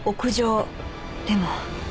でも。